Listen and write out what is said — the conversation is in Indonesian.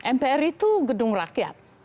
mpr itu gedung rakyat